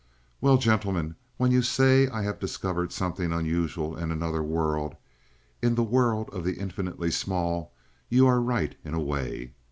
"Well, gentlemen, when you say I have discovered something unusual in another world in the world of the infinitely small you are right in a way.